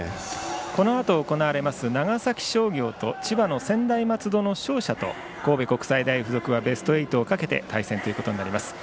このあと行われます長崎商業と千葉の専大松戸の勝者と、神戸国際大付属はベスト８をかけて対戦ということになります。